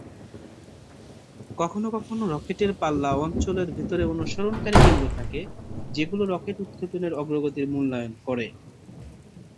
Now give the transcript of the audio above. কখনও কখনও রকেটের পাল্লা অঞ্চলের ভেতরে অনুসরণকারী কেন্দ্র থাকে যেগুলি রকেট উৎক্ষেপণের অগ্রগতির মূল্যায়ন করে।